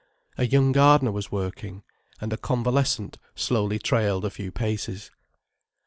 A young gardener was working—and a convalescent slowly trailed a few paces.